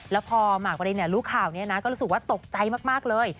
แล้วพอมาร์กปะรินเนี่ยรู้ข่าวเนี่ยนะก็รู้สึกว่าตกใจมากเลย